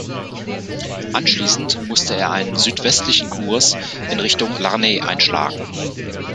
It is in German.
Anschließend musste er einen südwestlichen Kurs in Richtung Larne einschlagen.